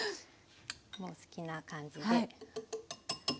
お好きな感じで。